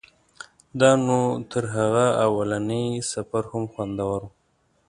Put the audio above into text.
دا نو تر هغه اولني سفر هم خوندور و.